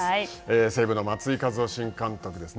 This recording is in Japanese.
西武の松井稼頭央新監督ですね。